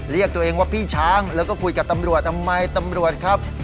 เรียกตัวเองว่าพี่ช้างแล้วก็คุยกับตำรวจทำไมตำรวจครับ